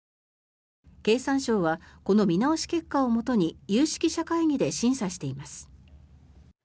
経産省はこの見直し結果をもとに有識者会議で審査しています。